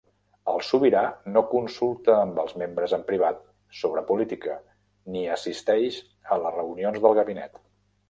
El Sobirà no consulta amb els membres en privat sobre política, ni assisteix a les reunions del gabinet.